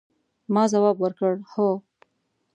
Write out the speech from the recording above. ما ځواب ورکړ، هو.